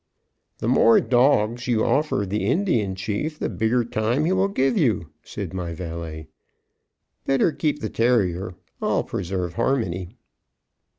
"The more dogs you offer the Indian Chief, the bigger time he will give you," said my valet. "Better keep the terrier; I'll preserve harmony."